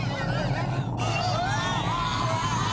うわ。